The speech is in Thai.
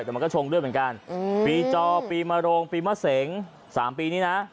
แต่มันก็ชงด้วยเหมือนกันปีจอปีมโรงปีมะเสง๓ปีนี้นะ